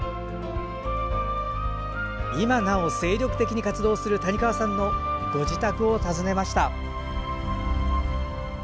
今なお精力的に活動する谷川さんのご自宅を訪ねました。